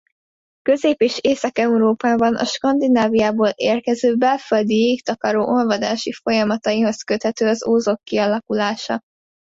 Közép- és Észak-Európában a Skandináviából érkező belföldi jégtakaró olvadási folyamataihoz köthető az ózok kialakulása.